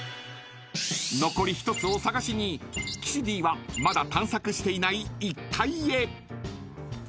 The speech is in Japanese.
［残り１つを探しに岸Ｄはまだ探索していない１階へ］